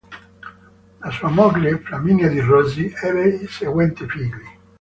Da sua moglie "Flaminia di Rossi" ebbe i seguenti figli.